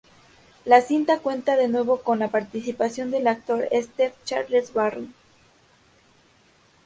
La cinta cuenta de nuevo con la participación del actor Stephen Charles Barry.